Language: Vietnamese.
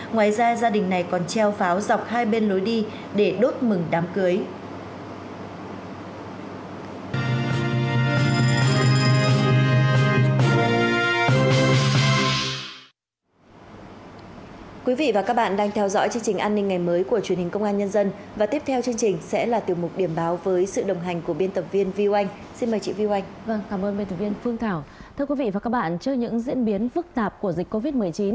ngoài ra gia đình này còn treo pháo dọc hai bên lối đi để đốt mừng đám cưới